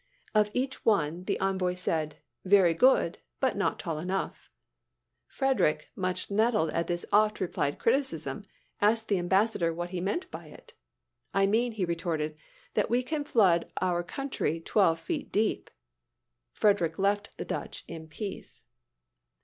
Of each one the envoy said: "Very good, but not tall enough." Frederick, much nettled at this oft repeated criticism, asked the ambassador what he meant by it. "I mean," he retorted, "that we can flood our country twelve feet deep!" Frederick left the Dutch in peace.